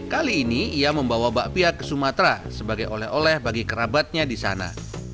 kali ini ia membawa bakpia ke sumatera sebagai oleh oleh bagi kerabatnya di sana